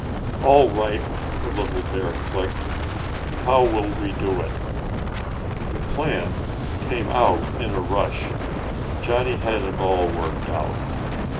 "All right," the little bear clicked. "How will we do it?" The plan came out in a rush. Johnny had it all worked out.